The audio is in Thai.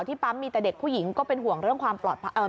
ปั๊มมีแต่เด็กผู้หญิงก็เป็นห่วงเรื่องความปลอดภัย